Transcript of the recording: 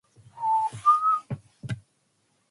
Bytes are grouped into words of five bytes plus a sign.